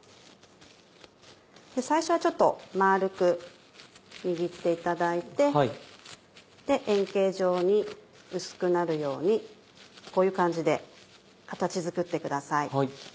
最初は丸く握っていただいて円形状に薄くなるようにこういう感じで形作ってください。